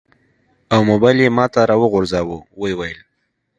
او موبایل یې ماته راوغورځاوه. و یې ویل: